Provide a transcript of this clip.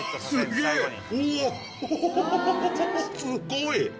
すごい！